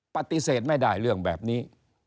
ปฏิเสธไม่ได้เรื่องแบบนี้